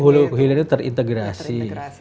hulu hilir itu terintegrasi